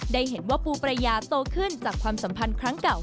ได้เห็นว่าปูประยาโตขึ้นจากความสัมพันธ์ครั้งเก่า